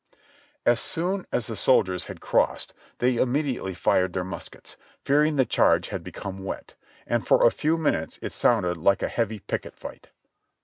As soon as the soldiers had crossed, they immediately fired their muskets, fearing the charge had become wet, and for a few minutes it sounded like a heavy picket fight.